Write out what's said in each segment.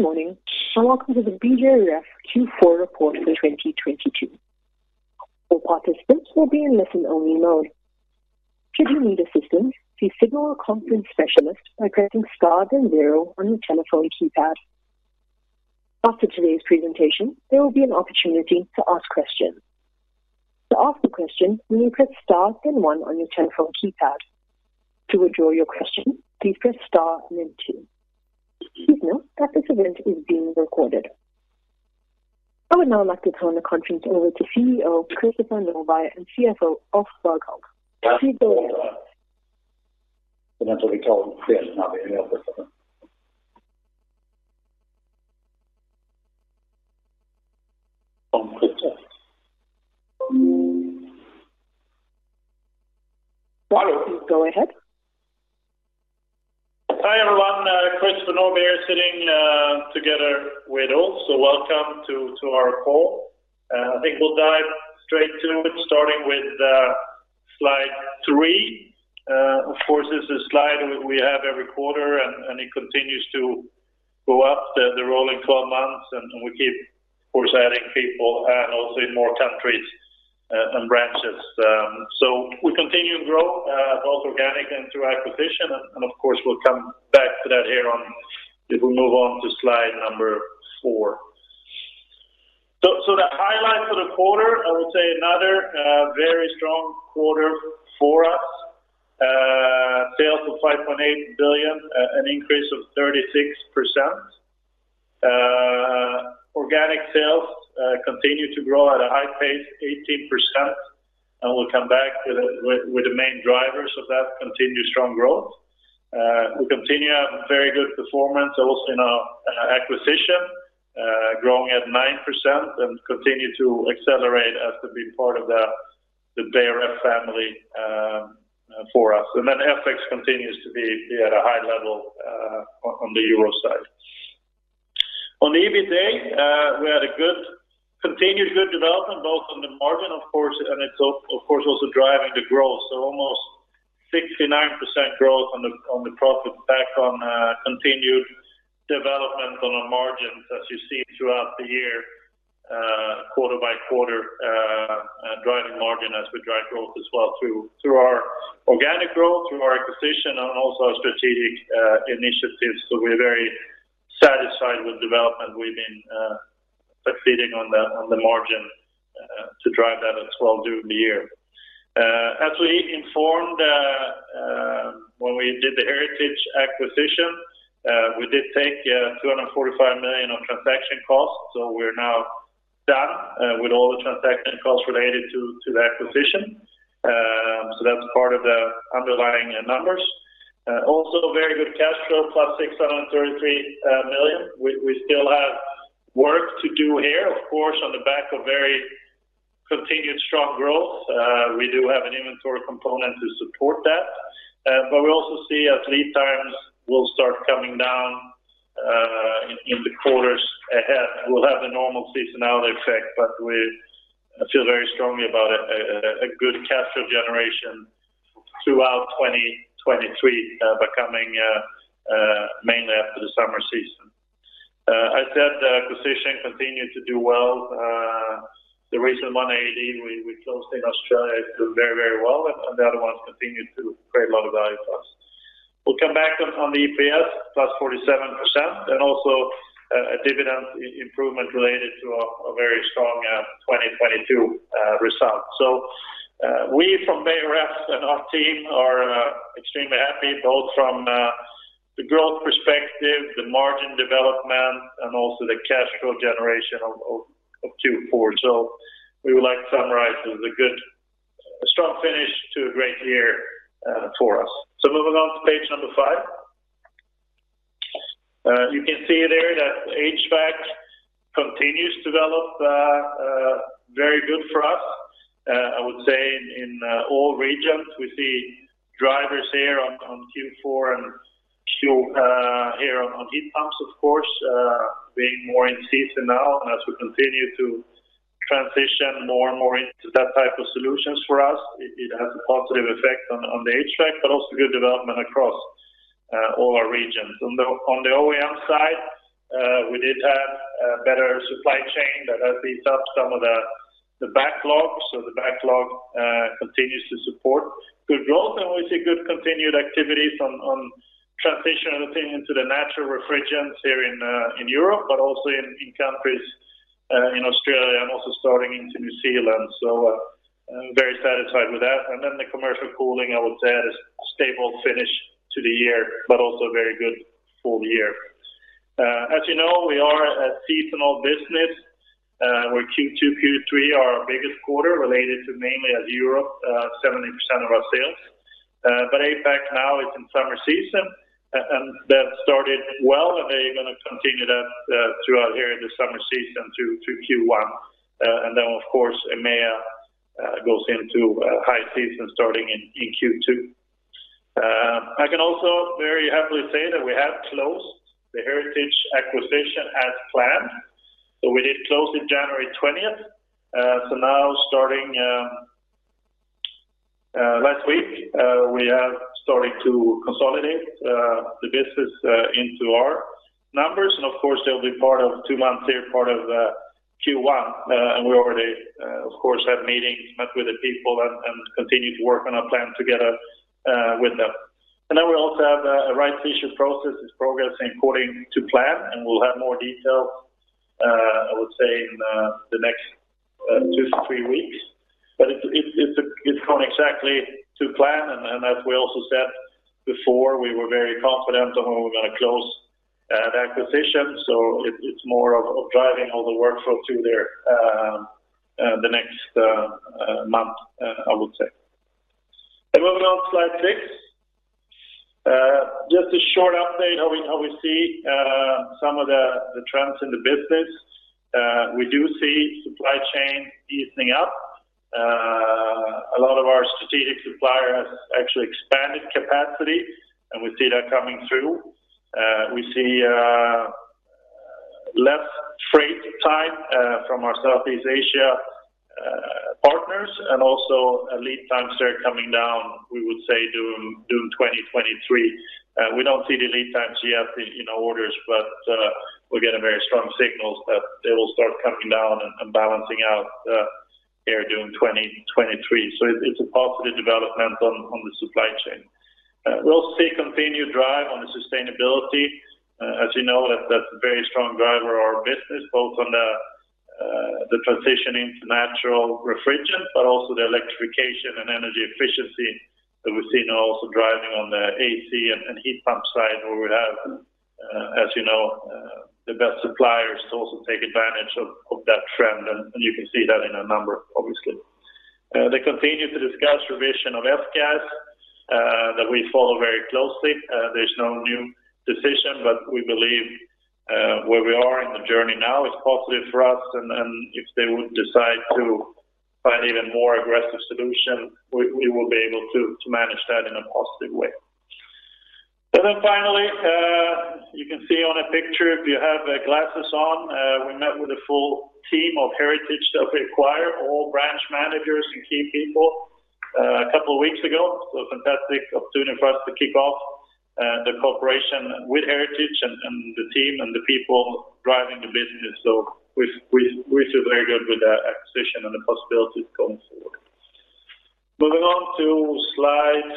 Good morning, welcome to the Beijer Ref Q4 report for 2022. All participants will be in listen only mode. Should you need assistance, please signal a conference specialist by pressing star then zero on your telephone keypad. After today's presentation, there will be an opportunity to ask questions. To ask a question, please press star then one on your telephone keypad. To withdraw your question, please press star then two. Please note that this event is being recorded. I would now like to turn the conference over to CEO, Christopher Norbye and CFO, Ulf Berghult. Please go ahead. Walter, please go ahead. Hi, everyone. Christopher Norbye sitting together with Ulf Berghult. Welcome to our call. I think we'll dive straight to it starting with slide three. Of course, this is a slide we have every quarter and it continues to go up the rolling 12 months, and we keep of course adding people and also in more countries and branches. We continue to grow both organic and through acquisition. Of course, we'll come back to that here. If we move on to slide number four. The highlight for the quarter, I would say another very strong quarter for us. Sales of 5.8 billion, an increase of 36%. Organic sales continue to grow at a high pace, 18%, we'll come back to the main drivers of that continued strong growth. We continue to have very good performance also in our acquisition growing at 9% and continue to accelerate as to be part of the Beijer Ref family for us. FX continues to be at a high level on the EUR side. On the EBITA, we had continued good development, both on the margin, of course, and it's of course also driving the growth. Almost 69% growth on the profit back on, continued development on our margins, as you see throughout the year, quarter by quarter, driving margin as we drive growth as well through our organic growth, through our acquisition and also our strategic initiatives. We're very satisfied with development. We've been succeeding on the margin, to drive that as well during the year. As we informed, when we did the Heritage acquisition, we did take, 245 million on transaction costs, we're now done, with all the transaction costs related to the acquisition. That's part of the underlying numbers. Also very good cash flow, plus 633 million. We still have work to do here, of course, on the back of very continued strong growth. We do have an inventory component to support that. We also see as lead times will start coming down, in the quarters ahead. We'll have the normal seasonality effect, but we feel very strongly about a good cash flow generation throughout 2023, coming mainly after the summer season. As said, the acquisition continued to do well. The recent one, AAD, we closed in Australia. It's doing very well, and the other ones continued to create a lot of value for us. We'll come back on the EPS +47% and also a dividend improvement related to a very strong 2022 result. We from Beijer Ref and our team are extremely happy, both from the growth perspective, the margin development, and also the cash flow generation of Q4. We would like to summarize as a good, strong finish to a great year for us. Moving on to page number five. You can see there that HVAC continues to develop very good for us. I would say in all regions, we see drivers here on Q4 and here on heat pumps, of course, being more in season now. As we continue to transition more and more into that type of solutions for us, it has a positive effect on the HVAC, but also good development across all our regions. On the OEM side, we did have a better supply chain that has built up some of the backlogs. The backlog continues to support good growth. We see good continued activity on transition and opinion to the natural refrigerants here in Europe, but also in countries in Australia and also starting into New Zealand. I'm very satisfied with that. The commercial cooling, I would say, had a stable finish to the year, but also a very good full year. As you know, we are a seasonal business. Where Q2, Q3 are our biggest quarter related to mainly as Europe, 70% of our sales. But APAC now is in summer season, and that started well, and they're gonna continue that throughout here in the summer season through Q1. Of course, EMEA goes into high season starting in Q2. I can also very happily say that we have closed the Heritage acquisition as planned. We did close in January 20th. Last week, we have started to consolidate the business into our numbers, and of course they'll be part of two months here, part of Q1. We already, of course, have meetings, met with the people and continue to work on our plan together with them. We also have a right fishing processes progress according to plan, and we'll have more details, I would say in the next two to three weeks. It's going exactly to plan and as we also said before, we were very confident on when we're going to close the acquisition. It's more of driving all the workflow through there the next month, I would say. Moving on to slide six. Just a short update how we see some of the trends in the business. We do see supply chain easing up. A lot of our strategic suppliers has actually expanded capacity, and we see that coming through. We see less freight time from our Southeast Asia partners and also lead times start coming down, we would say June 2023. We don't see the lead times yet in orders, but we're getting very strong signals that they will start coming down and balancing out air June 2023. It's a positive development on the supply chain. We also see continued drive on the sustainability. As you know, that's a very strong driver of our business, both on the transition into natural refrigerant, but also the electrification and energy efficiency that we're seeing also driving on the AC and heat pump side, where we have, as you know, the best suppliers to also take advantage of that trend and you can see that in our number, obviously. They continue to discuss revision of F-gas that we follow very closely. There's no new decision, but we believe where we are in the journey now is positive for us and if they would decide to find even more aggressive solution, we will be able to manage that in a positive way. Finally, you can see on a picture if you have glasses on, we met with a full team of Heritage that we acquired, all branch managers and key people a couple of weeks ago. A fantastic opportunity for us to kick off the cooperation with Heritage and the team and the people driving the business. We feel very good with the acquisition and the possibilities going forward. Moving on to slide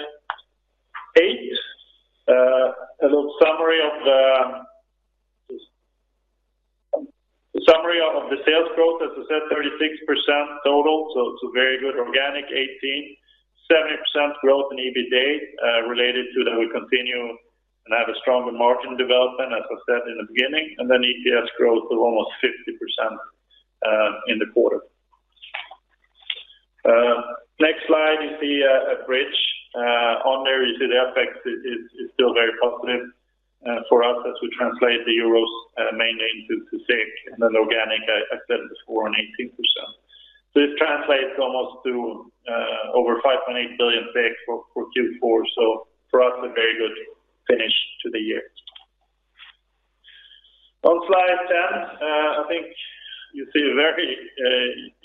eight. A little summary of the sales growth, as I said, 36% total, it's a very good organic 18%. 70% growth in EBITA, related to the continued and have a stronger margin development, as I said in the beginning. EPS growth of almost 50% in the quarter. Next slide you see a bridge. On there you see the FX is still very positive for us as we translate the Euros mainly into SEK. Organic, I said before on 18%. It translates almost to over 5.8 billion for Q4. For us, a very good finish to the year. On slide 10, I think you see a very,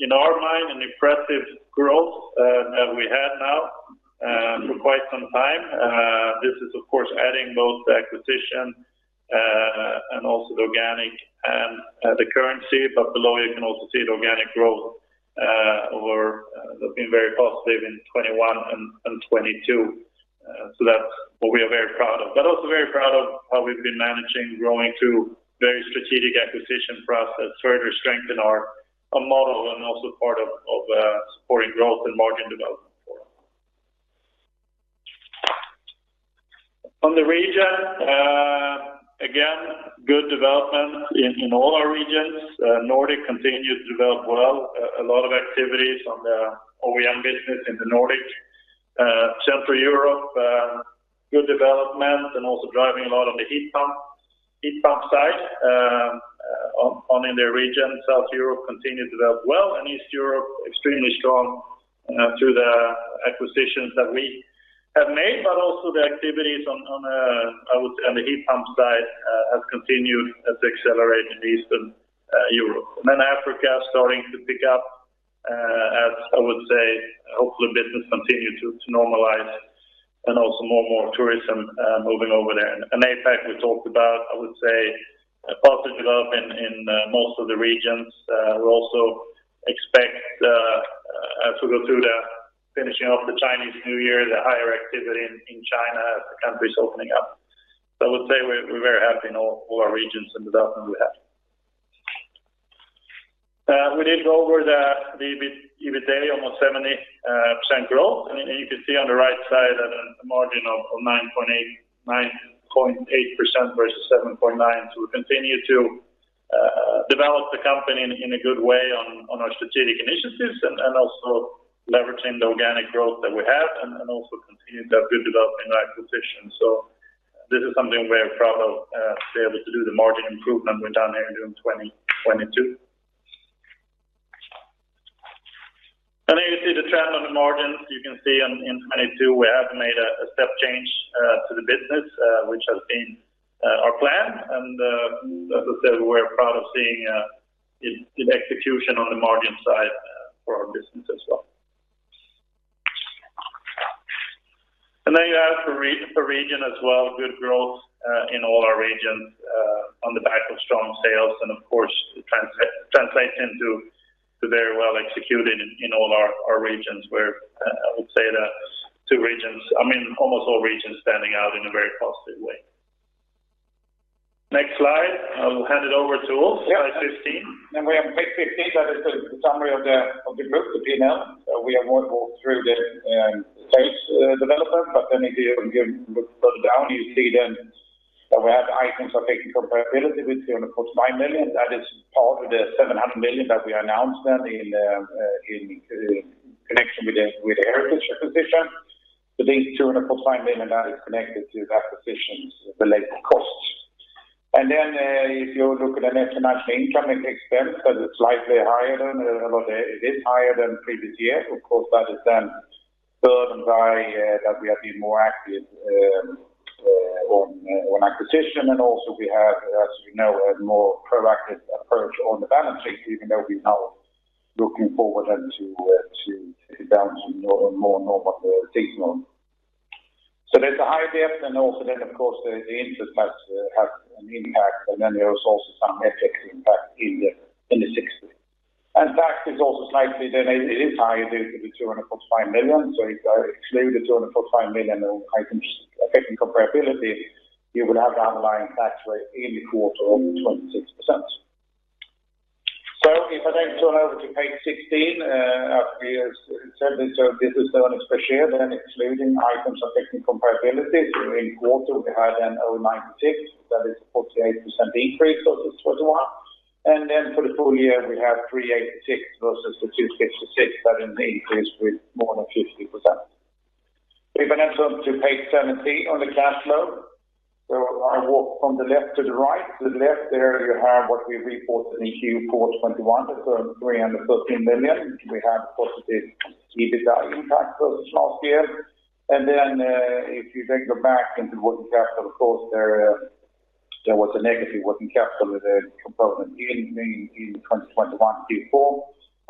in our mind an impressive growth that we had now for quite some time. This is of course adding both the acquisition and also the organic and the currency. Below you can also see the organic growth over have been very positive in 2021 and 2022. That's what we are very proud of. Also very proud of how we've been managing growing through very strategic acquisition process, further strengthen our model and also part of supporting growth and margin development for us. On the region, again, good development in all our regions. Nordic continued to develop well, a lot of activities on the OEM business in the Nordic. Central Europe, good development and also driving a lot on the heat pump side in the region. South Europe continued to develop well and East Europe extremely strong through the acquisitions that we have made, but also the activities on, I would say on the heat pump side have continued as accelerated Eastern Europe. Africa starting to pick up as I would say, hopefully business continue to normalize and also more and more tourism moving over there. APAC we talked about, I would say a positive development in most of the regions. We also expect to go through the finishing of the Chinese New Year, the higher activity in China as the country is opening up. I would say we're very happy in all our regions and development we have. We did over the EBITA almost 70% growth. You can see on the right side a margin of 9.8% versus 7.9. We continue to develop the company in a good way on our strategic initiatives and also leveraging the organic growth that we have and also continuing that good development and acquisition. This is something we are proud of to be able to do the margin improvement we've done here in June 2022. You see the trend on the margins. You can see in 2022 we have made a step change to the business, which has been our plan. As I said, we're proud of seeing In execution on the margin side for our business as well. You have per region as well, good growth in all our regions on the back of strong sales and of course translates into very well executed in all our regions where I would say that two regions, I mean, almost all regions standing out in a very positive way. Next slide, I'll hand it over to Ulf. Yeah. Slide 15. We have page 15, that is the summary of the group, the P&L. We have gone through the sales development. If you look further down, you see then that we have items affecting comparability with 249 million. That is part of the 700 million that we announced then in connection with the Air Products acquisition. These 249 million that is connected to the acquisitions related costs. If you look at the international income and expense, because it's slightly higher than. Well, it is higher than previous years. Of course, that is then driven by, that we have been more active on acquisition. Also we have, as you know, a more proactive approach on the balancing, even though we're now looking forward to balance more normal season. There's a high debt and also, of course, the interest has an impact. There is also some FX impact in the sixth month. Tax is also slightly higher due to the 245 million. If I exclude the 245 million on Items affecting comparability, you would have the underlying tax rate in the quarter of 26%. If I turn over to page 16, as we have said, this is earnings per share, excluding Items affecting comparability. In quarter, we had 0.96, that is a 48% increase of this quarter one. For the full year, we have 386 versus 266. That is an increase with more than 50%. If I then turn to page 17 on the cash flow. I walk from the left to the right. To the left there, you have what we reported in Q4 2021. That's a 313 million. We have positive EBITDA impact versus last year. If you then go back into working capital, of course, there was a negative working capital with a component in 2021 Q4.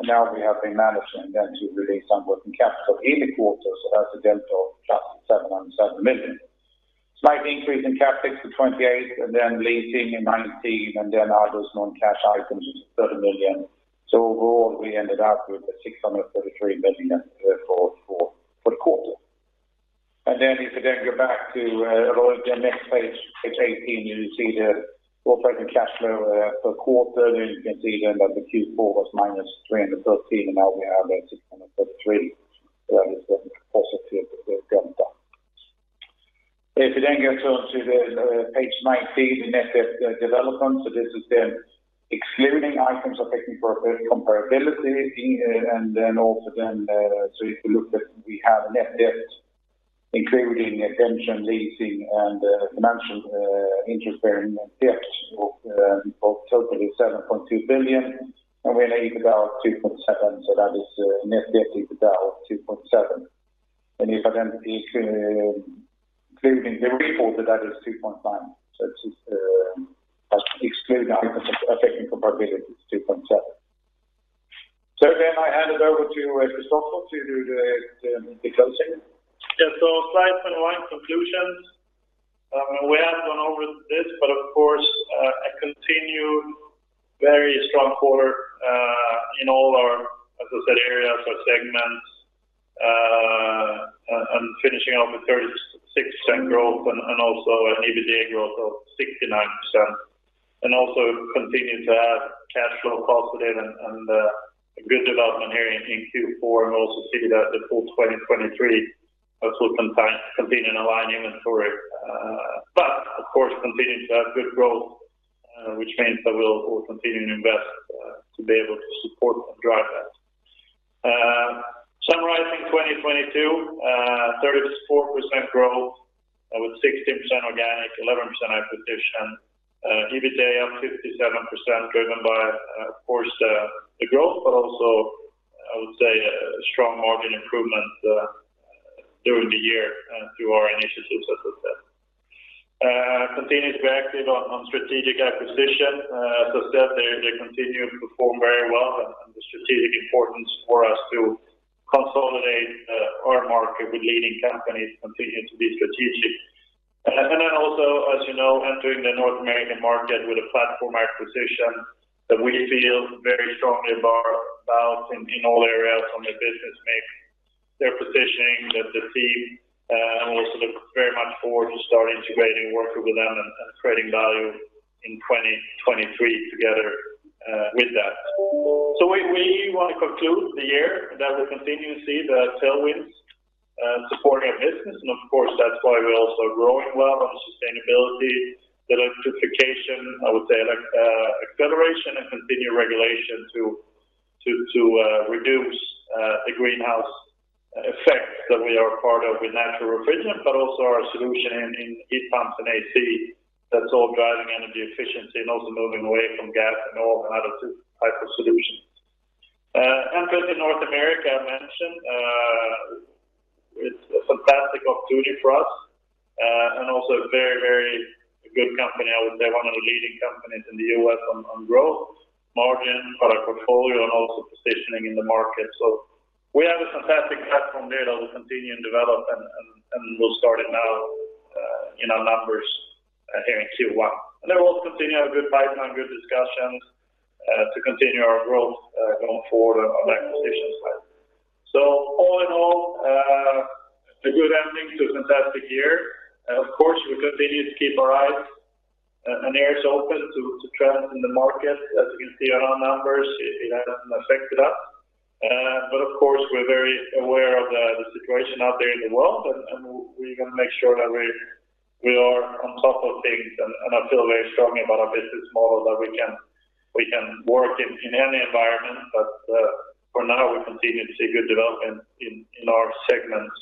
Now we have been managing then to release some working capital in the quarter, so that's a delta cash 707 million. Slight increase in CapEx to 28 million and then leasing in 19 million, and then others non-cash items is 30 million. Overall, we ended up with a 633 million net flow for the quarter. If you go back to page 18, you see the operating cash flow for quarter. You can see that the Q4 was -313 million, and now we have 633 million. That is the positive jump down. If you get on to page 19, the net debt development. This is excluding items affecting comparability. Also, if you look that we have a net debt, including pension, leasing and financial interest bearing net debt of totally 7.2 billion, and we're in EBITDA of 2.7. That is a net debt EBITDA of 2.7. If I including the reported, that is SEK 2.5. It's excluding Items affecting comparability is 2.7. I hand it over to Christopher to do the closing. Yeah. Slide 21, conclusions. We have gone over this, but of course, a continued very strong quarter in all our, as I said, areas or segments. And finishing off with 36% growth and also an EBITDA growth of 69%. Also continued to have cash flow positive and a good development here in Q4 and also see that the full 2023 we'll continue to align inventory. But of course, continuing to have good growth, which means that we'll continue to invest to be able to support and drive that. Summarizing 2022, 34% growth with 16% organic, 11% acquisition. EBITDA up 57% driven by, of course, the growth, but also I would say a strong margin improvement during the year, through our initiatives as I said. Continuous we are active on strategic acquisition. As I said, they continue to perform very well and the strategic importance for us to consolidate our market with leading companies continue to be strategic. Also, as you know, entering the North American market with a platform acquisition that we feel very strongly about in all areas from the business mix, their positioning, the team, and we also look very much forward to start integrating working with them and creating value in 2023 together with that. We want to conclude the year that we continue to see the tailwinds supporting our business. Of course, that's why we're also growing well on the sustainability, electrification, I would say acceleration and continued regulation to reduce the greenhouse effect that we are part of with natural refrigerant, but also our solution in heat pumps and AC that's all driving energy efficiency and also moving away from gas and oil and other type of solutions. Entry to North America, I mentioned, opportunity for us, and also a very good company. I would say one of the leading companies in the U.S. on growth, margin, product portfolio, and also positioning in the market. We have a fantastic platform there that will continue and develop and will start it now in our numbers here in Q1. We'll continue our good pipeline, good discussions to continue our growth going forward on the acquisition side. All in all, a good ending to a fantastic year. Of course, we continue to keep our eyes and ears open to trends in the market. As you can see on our numbers, it hasn't affected us. Of course, we're very aware of the situation out there in the world, and we're gonna make sure that we are on top of things. I feel very strongly about our business model that we can work in any environment. For now, we continue to see good development in our segments.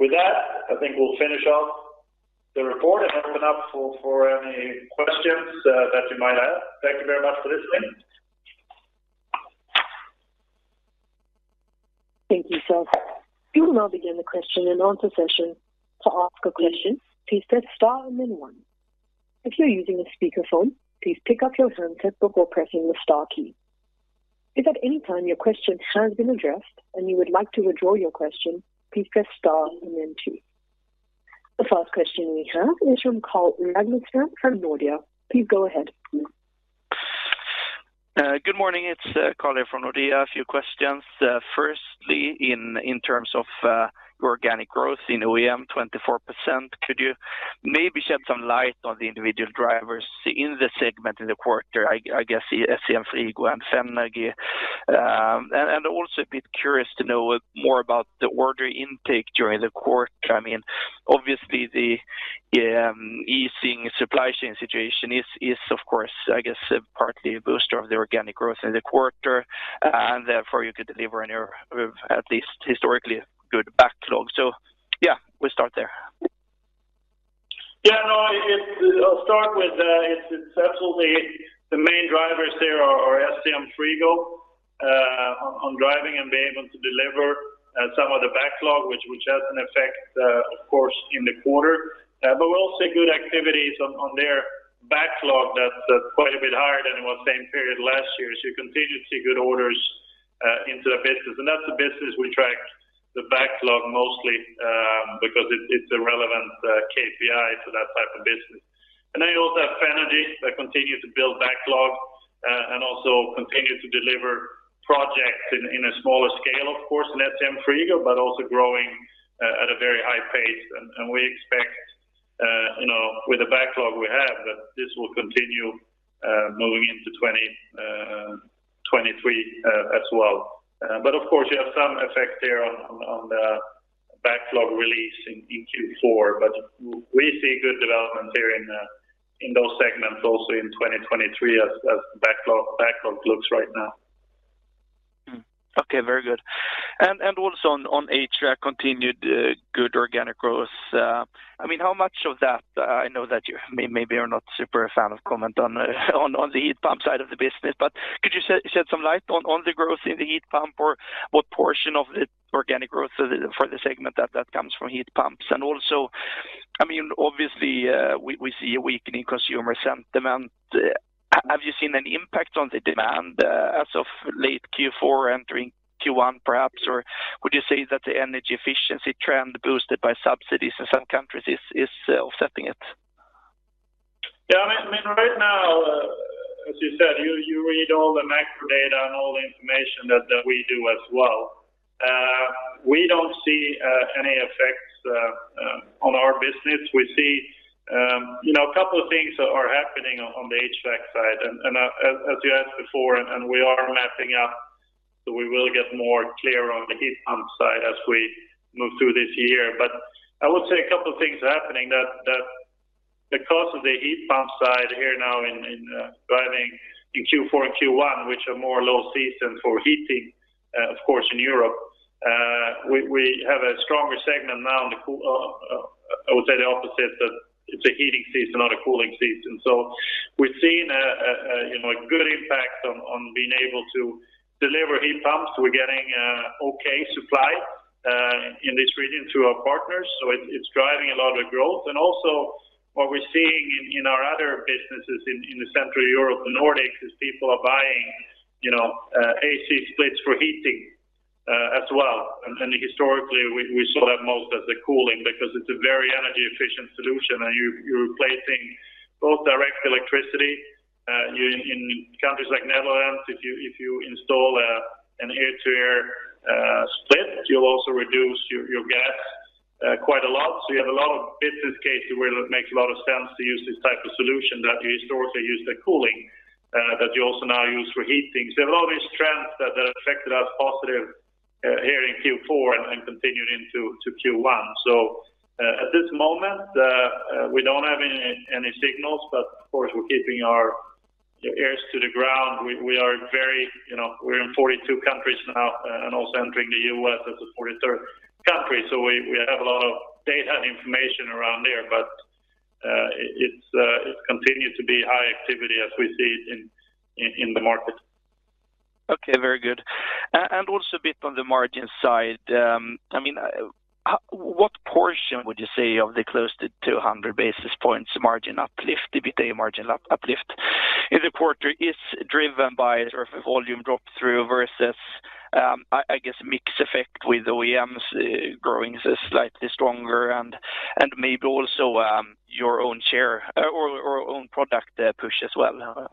With that, I think we'll finish up the report and open up for any questions that you might have. Thank you very much for listening. Thank you, Ulf. We will now begin the question and answer session. To ask a question, please press star and then one. If you're using a speakerphone, please pick up your handset before pressing the star key. If at any time your question has been addressed, and you would like to withdraw your question, please press star and then two. The first question we have is from Carl Magnuson from Nordea. Please go ahead. Good morning. It's Carl here from Nordea. A few questions. Firstly, in terms of your organic growth in OEM, 24%, could you maybe shed some light on the individual drivers in the segment in the quarter? I guess SCM Frigo and Fenagy. And also a bit curious to know more about the order intake during the quarter. I mean, obviously the easing supply chain situation is of course, I guess partly a booster of the organic growth in the quarter, and therefore you could deliver on your at least historically good backlog. Yeah, we'll start there. No, I'll start with, it's absolutely the main drivers there are SCM Frigo on driving and being able to deliver some of the backlog, which has an effect, of course, in the quarter. We're also good activities on their backlog that's quite a bit higher than it was same period last year. You continue to see good orders into the business. That's a business we track the backlog mostly, because it's a relevant KPI for that type of business. Then you also have Fenagy that continue to build backlog, and also continue to deliver projects in a smaller scale, of course, than SCM Frigo, but also growing at a very high pace. We expect, you know, with the backlog we have that this will continue moving into 2023 as well. Of course you have some effect there on the backlog release in Q4. We see good development there in those segments also in 2023 as backlog looks right now. Okay. Very good. Also on HVAC continued good organic growth. I mean, how much of that, I know that you maybe are not super a fan of comment on the heat pump side of the business, but could you shed some light on the growth in the heat pump, or what portion of the organic growth for the segment that comes from heat pumps? I mean, obviously, we see a weakening consumer sentiment. Have you seen any impact on the demand as of late Q4 entering Q1 perhaps, or would you say that the energy efficiency trend boosted by subsidies in some countries is offsetting it? Yeah, I mean, right now, as you said, you read all the macro data and all the information that we do as well. We don't see any effects on our business. We see, you know, a couple of things are happening on the HVAC side. As you asked before, we are mapping out, so we will get more clear on the heat pump side as we move through this year. I would say a couple of things are happening that because of the heat pump side here now in driving in Q4 and Q1, which are more low season for heating, of course in Europe, we have a stronger segment now on the cool. I would say the opposite, that it's a heating season, not a cooling season. We've seen a, you know, a good impact on being able to deliver heat pumps. We're getting okay supply in this region through our partners, so it's driving a lot of growth. Also what we're seeing in our other businesses in the Central Europe, the Nordics, is people are buying, you know, AC splits for heating as well. Historically we saw that most as a cooling because it's a very energy efficient solution, and you're replacing both direct electricity in countries like Netherlands, if you install an air-to-air split, you'll also reduce your gas quite a lot. You have a lot of business cases where it makes a lot of sense to use this type of solution that you historically used for cooling, that you also now use for heating. A lot of these trends that affected us positive, here in Q4 and continued into Q1. At this moment, we don't have any signals, but of course, we're keeping our ears to the ground. We are very, you know, we're in 42 countries now and also entering the US as a 43rd country. We have a lot of data information around there. It's, it's continued to be high activity as we see in the market. Okay, very good. Also a bit on the margin side, I mean, what portion would you say of the close to 200 basis points margin uplift, EBITDA margin uplift in the quarter is driven by sort of volume drop through versus, I guess, mix effect with OEMs, growing slightly stronger and maybe also, your own share or own product push as well?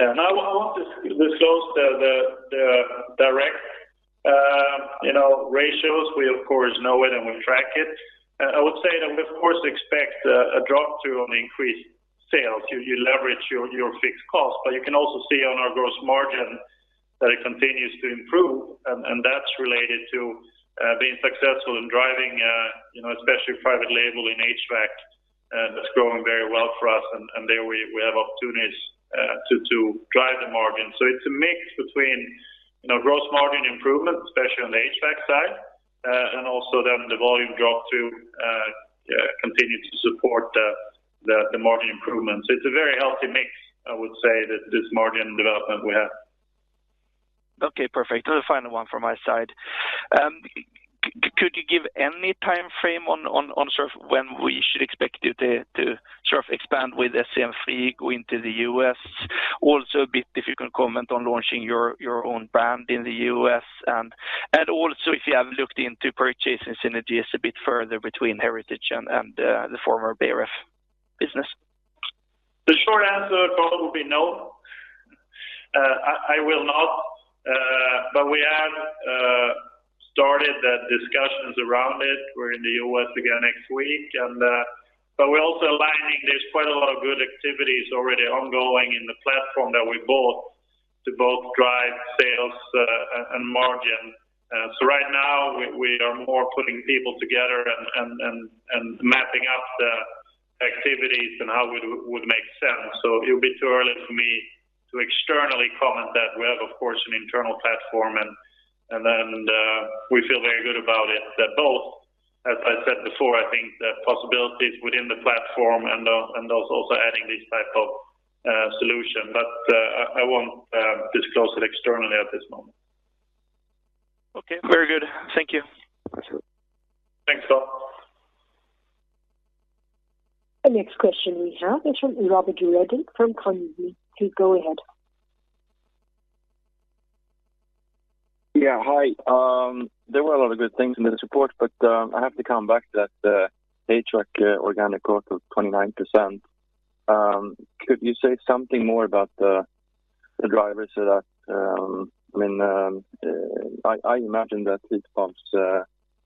I won't disclose the direct, you know, ratios. We of course know it, and we track it. I would say that we of course expect a drop through on increased sales. You leverage your fixed costs. You can also see on our gross margin that it continues to improve and that's related to being successful in driving, you know, especially private label in HVAC. That's growing very well for us. There we have opportunities to drive the margin. It's a mix between, you know, gross margin improvement, especially on the HVAC side, and also then the volume drop through continue to support the margin improvements. It's a very healthy mix, I would say, this margin development we have. Okay, perfect. The final one from my side. could you give any timeframe on sort of when we should expect you to sort of expand with SCM Frigo going to the U.S.? Also a bit if you can comment on launching your own brand in the U.S., and also if you have looked into purchase synergies a bit further between Heritage and the former BRF business? The short answer probably will be no. I will not. We have started the discussions around it. We're in the U.S. again next week. We're also aligning... There's quite a lot of good activities already ongoing in the platform that we bought to both drive sales and margin. Right now we are more putting people together and mapping out the activities and how it would make sense. It would be too early for me to externally comment that. We have of course, an internal platform and then we feel very good about it that both, as I said before, I think the possibilities within the platform and also adding this type of solution. I won't disclose it externally at this moment. Okay, very good. Thank you. Thanks, Carl. The next question we have is from Robert Redin from Carnegie. Please go ahead. Yeah, hi. There were a lot of good things in the report. I have to come back that HVAC organic growth of 29%. Could you say something more about the drivers of that? I mean, I imagine that heat pumps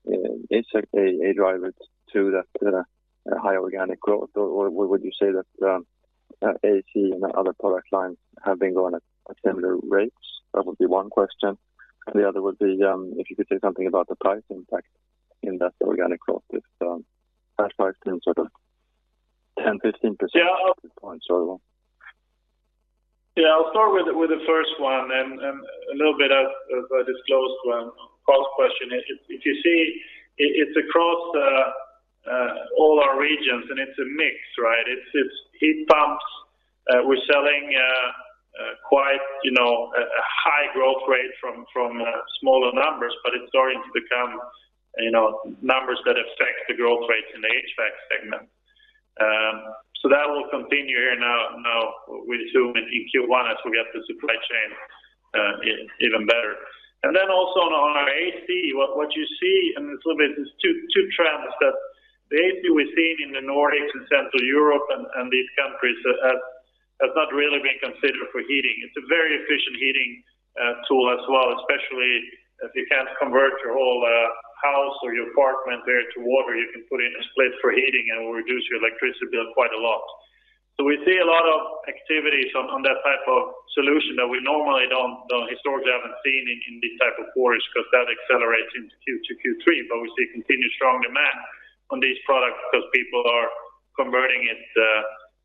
is a driver to that high organic growth. Or would you say that AC and other product lines have been growing at similar rates? That would be one question. The other would be, if you could say something about the price impact in that organic growth with that price being sort of 10%-15%... Yeah. At this point. Sorry. Yeah. I'll start with the first one and a little bit of a disclosed one. First question is if you see it's across all our regions, and it's a mix, right? It's heat pumps. We're selling quite, you know, a high growth rate from smaller numbers, but it's starting to become, you know, numbers that affect the growth rates in the HVAC segment. That will continue here now we assume in Q1 as we get the supply chain even better. Also on our AC, what you see, and it's a little bit, it's two trends that the AC we're seeing in the Nordics and Central Europe and these countries has not really been considered for heating. It's a very efficient heating tool as well, especially if you can't convert your whole house or your apartment there to water. You can put in a split for heating, and it will reduce your electricity bill quite a lot. We see a lot of activities on that type of solution that we normally don't historically haven't seen in these type of quarters because that accelerates into Q2, Q3. We see continued strong demand on these products because people are converting it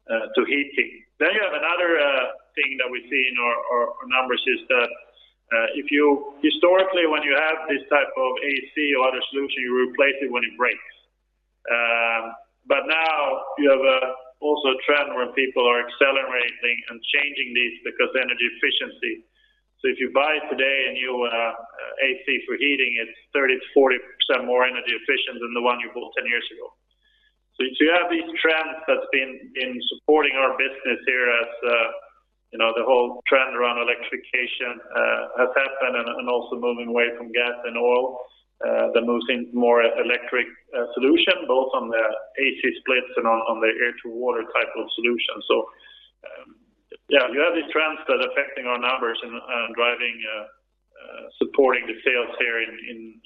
to heating. You have another thing that we see in our numbers is that Historically, when you have this type of AC or other solution, you replace it when it breaks. Now you have a also a trend where people are accelerating and changing these because energy efficiency. If you buy today a new AC for heating, it's 30%-40% more energy efficient than the one you bought 10 years ago. You have these trends that's been in supporting our business here as, you know, the whole trend around electrification has happened and also moving away from gas and oil, the move into more electric solution both on the AC splits and on the air-to-water type of solution. Yeah, you have these trends that are affecting our numbers and driving supporting the sales here in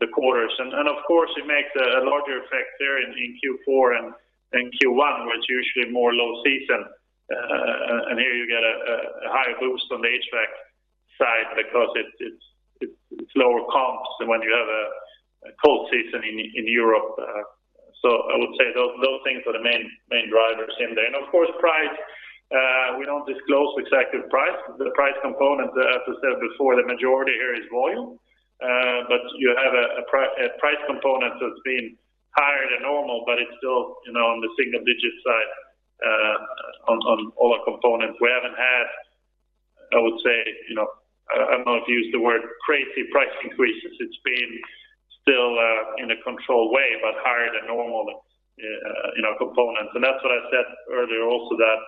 the quarters. Of course it makes a larger effect there in Q4 than Q1, which usually more low season. Here you get a higher boost on the HVAC side because it's lower comps than when you have a cold season in Europe. I would say those things are the main drivers in there. Of course, price, we don't disclose exactly price. The price component, as I said before, the majority here is volume. You have a price component that's been higher than normal, but it's still, you know, on the single-digit side on all our components. We haven't had, I would say, you know, I don't know if you use the word crazy price increases. It's been still in a controlled way, but higher than normal, you know, components. That's what I said earlier also that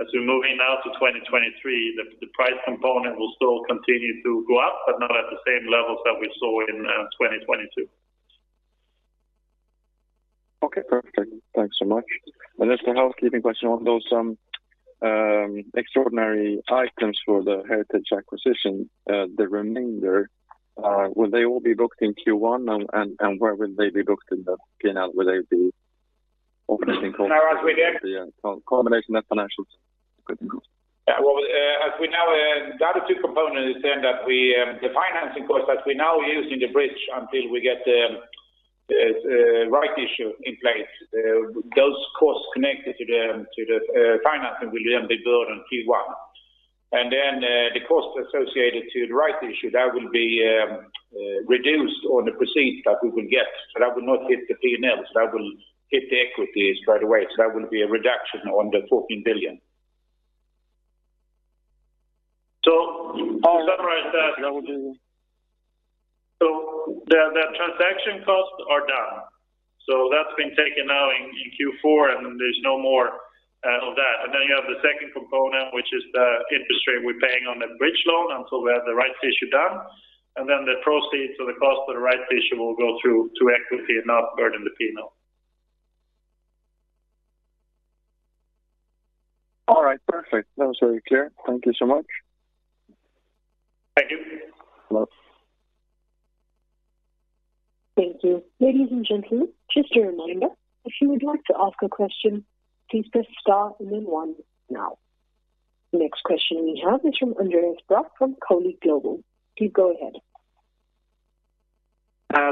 as we're moving now to 2023, the price component will still continue to go up, but not at the same levels that we saw in 2022. Okay, perfect. Thanks so much. Just a housekeeping question on those extraordinary items for the Heritage acquisition, the remainder, will they all be booked in Q1 and where will they be booked in the P&L? Can I ask again? The combination of financials? Yeah. Well, as we know, the other two components then that we, the financing costs that we're now using the bridge until we get the rights issue in place, those costs connected to the financing will then be burdened Q1. The cost associated to the rights issue, that will be, reduced on the proceeds that we will get. That will not hit the P&L. That will hit the equities right away. That will be a reduction on the 14 billion. To summarize that. That would be. The transaction costs are done. That's been taken now in Q4, and there's no more of that. You have the second component, which is the interest rate we're paying on the bridge loan until we have the rights issue done. The proceeds or the cost of the rights issue will go through to equity and not burden the P&L. All right, perfect. That was very clear. Thank you so much. Thank you. Hello. Thank you. Ladies and gentlemen, just a reminder, if you would like to ask a question, please press star and then one now. The next question we have is from Andreas Brock from Coeli Global. Please go ahead.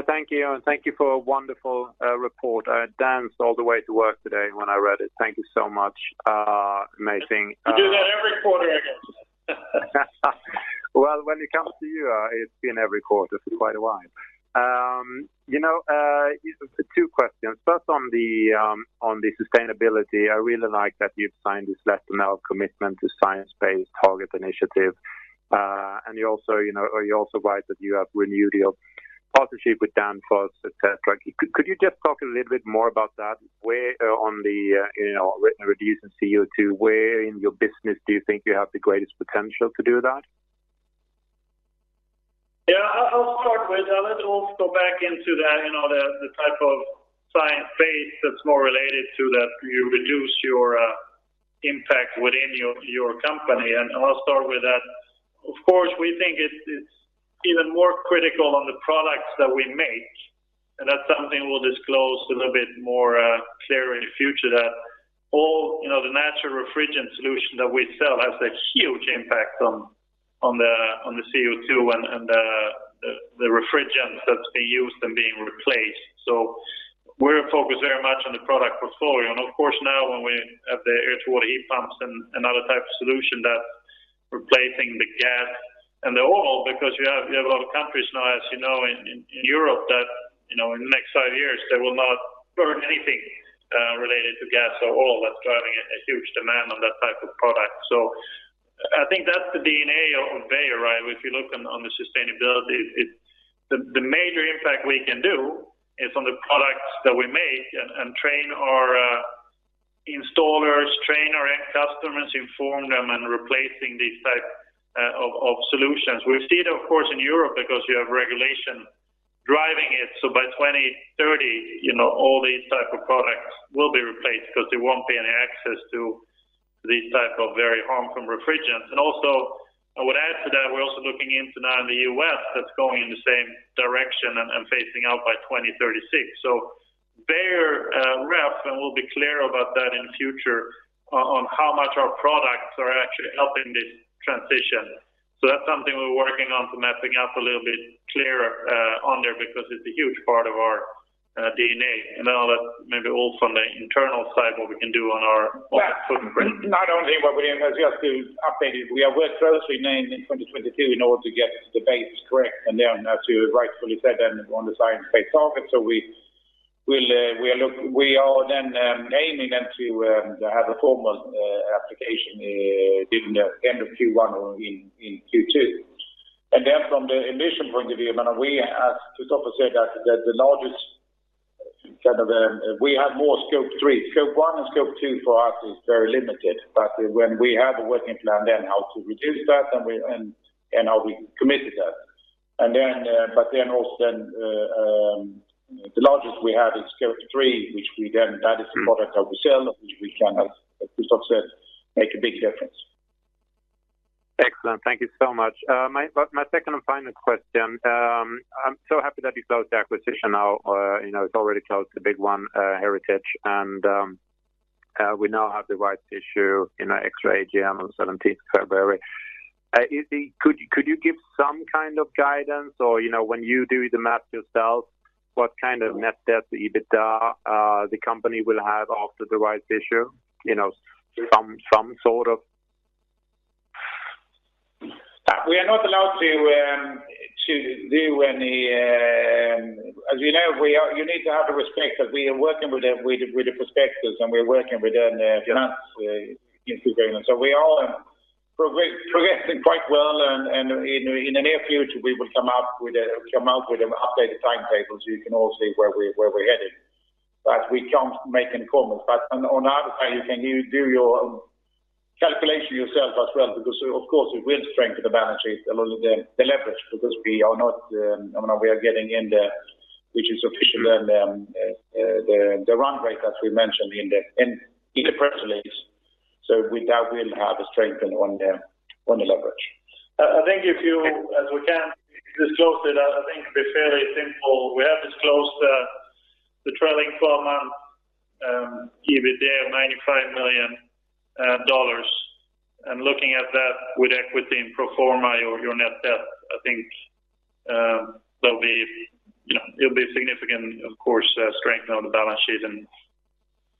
Thank you. Thank you for a wonderful report. I danced all the way to work today when I read it. Thank you so much. Amazing. You do that every quarter, I guess. Well, when it comes to you, it's been every quarter for quite a while. You know, two questions. First on the, on the sustainability, I really like that you've signed this Letter Now commitment to Science Based Targets initiative. You also, you know, are you also right that you have renewed your partnership with Danfoss, et cetera. Could you just talk a little bit more about that? Where on the, you know, written reduce in CO2, where in your business do you think you have the greatest potential to do that? Yeah. I'll let Ulf go back into that, you know, the type of science phase that's more related to that you reduce your impact within your company. I'll start with that. Of course, we think it's even more critical on the products that we make, and that's something we'll disclose a little bit more clear in the future that all, you know, the natural refrigerant solution that we sell has a huge impact on the CO2 and the refrigerants that they use and being replaced. We're focused very much on the product portfolio. Of course, now when we have the air-to-water heat pumps and other type of solution that replacing the gas and the oil, because you have a lot of countries now, as you know, in Europe that, you know, in the next five years, they will not burn anything related to gas or oil. That's driving a huge demand on that type of product. I think that's the DNA of Beijer, right? If you look on the sustainability, it's. The major impact we can do is on the products that we make and train our installers, train our end customers, inform them and replacing these type of solutions. We've seen of course in Europe because you have regulation driving it. By 2030, you know, all these type of products will be replaced because there won't be any access to these type of very harmful refrigerants. Also I would add to that, we're also looking into now in the U.S. that's going in the same direction and phasing out by 2036. Beijer Ref, and we'll be clear about that in the future on how much our products are actually helping this transition. That's something we're working on to mapping out a little bit clearer on there because it's a huge part of our DNA and all that maybe also on the internal side, what we can do on our footprint. Not only what William has just updated. We are working closely now in 2022 in order to get the base correct and then as you rightfully said then on the Science Based Targets. We'll we are then aiming then to have a formal application during the end of Q1 or in Q2. From the emission point of view, I mean, we, as Christopher Norbye said, that the largest kind of we have more Scope 3. Scope 1 and Scope 2 for us is very limited. When we have a working plan then how to reduce that and we, and how we committed that. Also then, the largest we have is Scope 3, which we then that is the product that we sell, which we can, as Christopher said, make a big difference. Excellent. Thank you so much. My second and final question, I'm so happy that you closed the acquisition now, you know, it's already closed, the big one, Heritage, and we now have the rights issue in our extra AGM on 17th February. Could you give some kind of guidance or, you know, when you do the math yourself, what kind of net debt EBITDA, the company will have after the rights issue? You know, some sort of We are not allowed to do any. As you know, you need to have the respect that we are working with the perspectives, and we're working with them, the finance institute. We all are progressing quite well. In the near future, we will come out with an updated timetable, so you can all see where we, where we're headed. We can't make any comments. On other side, you can do your calculation yourself as well because, of course, it will strengthen the balance sheet a lot of the leverage because we are not, I mean, we are getting in the which is sufficient, the run rate as we mentioned in the press release. With that will have a strength on the leverage. I think as we can disclose it, I think it'd be fairly simple. We have disclosed the trailing 12 month EBITA of $95 million. Looking at that with equity and pro forma your net debt, I think, you know, it'll be significant, of course, strength on the balance sheet.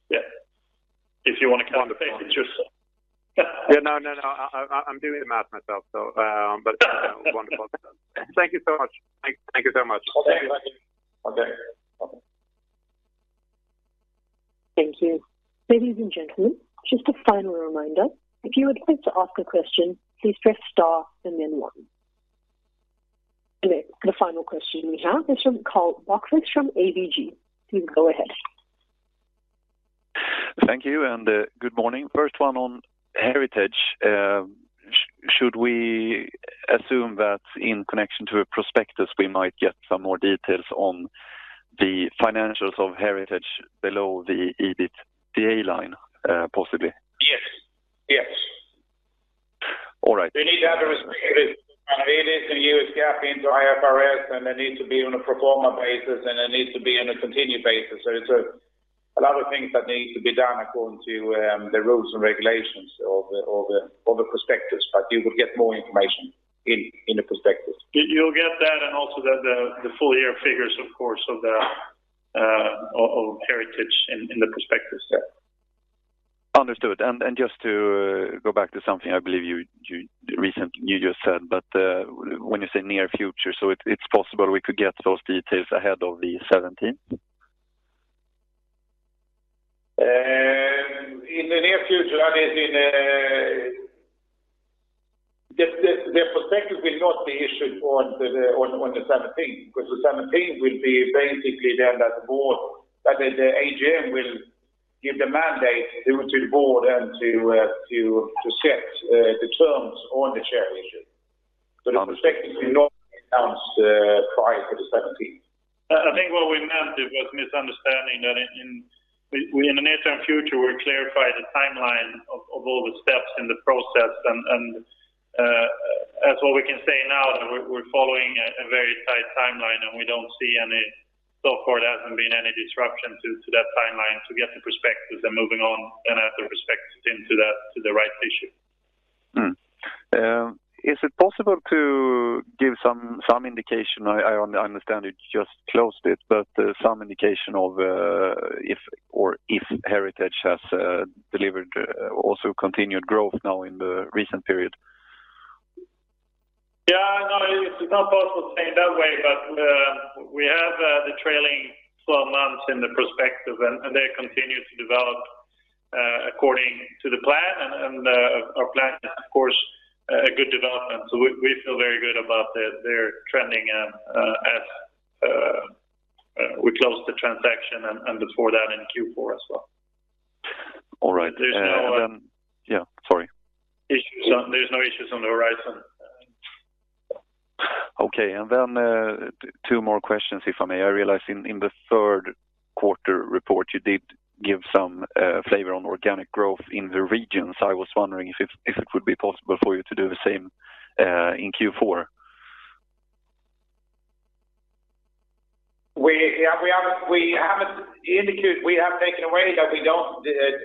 Yeah. If you want to count the pages. Yeah. No, no. I'm doing the math myself, so, but wonderful. Thank you so much. Thank you so much. Okay. Bye. Okay. Bye. Thank you. Ladies and gentlemen, just a final reminder. If you would like to ask a question, please press star and then one. The final question we have is from Carl Bokvist from ABG. Please go ahead. Thank you, good morning. First one on Heritage. Should we assume that in connection to a prospectus, we might get some more details on the financials of Heritage below the EBITDA line, possibly? Yes. Yes. All right. We need to have the respect of it. It is a US GAAP into IFRS. It needs to be on a pro forma basis. It needs to be on a continued basis. It's a lot of things that need to be done according to the rules and regulations of the prospectus. You will get more information in the prospectus. You'll get that and also the full year figures, of course, of Heritage in the prospectus, yeah. Understood. Just to go back to something I believe you just said, but when you say near future, so it's possible we could get those details ahead of the 17th? In the near future, I mean in. The prospectus will not be issued on the seventeenth, because the seventeenth will be basically then that the board, that the AGM will give the mandate to the board and to set the terms on the share issue. The prospectus will not be announced prior to the seventeenth. I think what we meant, it was misunderstanding that in the near term future will clarify the timeline of all the steps in the process. As what we can say now that we're following a very tight timeline, and we don't see any. So far there hasn't been any disruption to that timeline to get the prospectus and moving on then after prospectus into the rights issue. Is it possible to give some indication? I understand you just closed it, but some indication of if or if Heritage has delivered also continued growth now in the recent period? It's not possible to say it that way, but we have the trailing twelve months in the prospectus and they continue to develop according to the plan. Our plan is of course, a good development. We feel very good about their trending as we close the transaction and before that in Q4 as well. All right. There's no. Yeah. Sorry. There's no issues on the horizon. Okay. Then, two more questions, if I may. I realize in the third quarter report, you did give some flavor on organic growth in the regions. I was wondering if it would be possible for you to do the same in Q4. We have taken away that we don't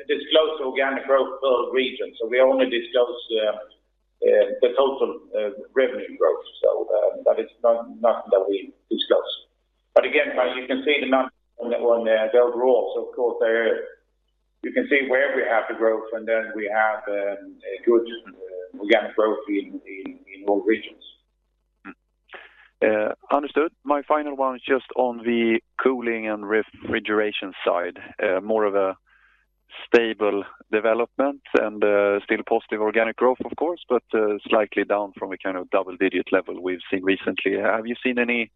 disclose organic growth per region. We only disclose the total revenue growth. That is not nothing that we discuss. Again, as you can see the numbers on the overall, of course there you can see where we have the growth and then we have a good organic growth in all regions. Mm. Understood. My final one is just on the cooling and refrigeration side. More of a stable development and still positive organic growth, of course, but slightly down from a kind of double-digit level we've seen recently. Have you seen any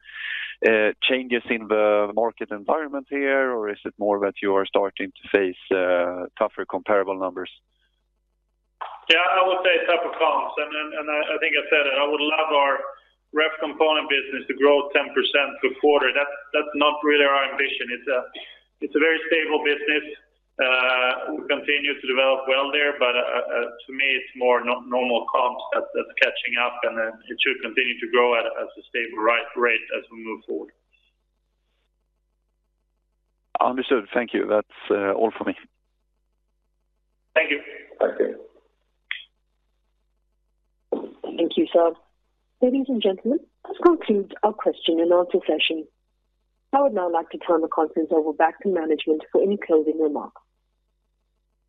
changes in the market environment here, or is it more that you are starting to face tougher comparable numbers? Yeah, I would say tougher comps. I think I said it, I would love our ref component business to grow 10% per quarter. That's not really our ambition. It's a very stable business. We continue to develop well there, but to me it's more no-normal comps that's catching up, and then it should continue to grow as a stable rate as we move forward. Understood. Thank you. That's all for me. Thank you. Thank you. Thank you, sir. Ladies and gentlemen, this concludes our question and answer session. I would now like to turn the conference over back to management for any closing remarks.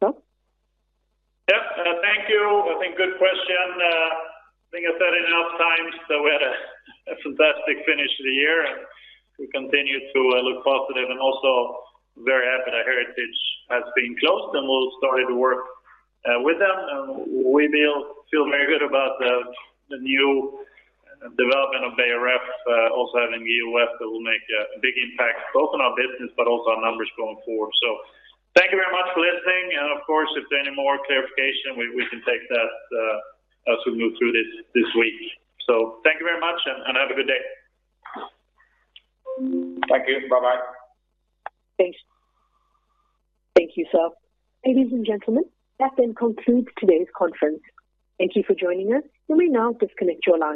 Ulf? Yep. Thank you. I think good question. I think I said it enough times that we had a fantastic finish to the year. We continue to look positive and also very happy that Heritage has been closed, and we'll start to work with them. We feel very good about the new development of Beijer Ref, also having EF that will make a big impact both on our business but also our numbers going forward. Thank you very much for listening. Of course, if there are any more clarification, we can take that as we move through this week. Thank you very much and have a good day. Thank you. Bye-bye. Thanks. Thank you, Sub. Ladies and gentlemen, that then concludes today's conference. Thank you for joining us. You may now disconnect your lines.